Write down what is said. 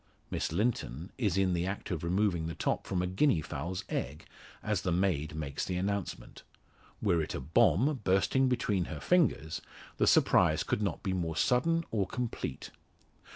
Miss Linton is in the act of removing the top from a guinea fowl's egg, as the maid makes the announcement. Were it a bomb bursting between her fingers, the surprise could not be more sudden or complete.